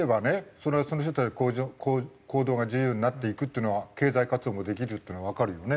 それはその人の行動が自由になっていくっていうのは経済活動もできるっていうのはわかるよね。